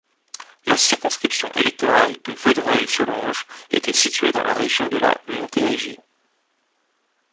La circonscription électorale de Vaudreuil-Soulanges était située dans la région de la Montérégie.